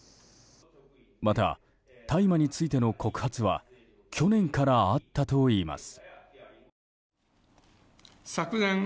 また、大麻についての告発は去年からあったといいます。